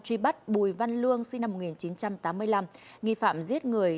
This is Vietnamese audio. truy bắt bùi văn luông sinh năm một nghìn chín trăm tám mươi năm nghi phạm giết người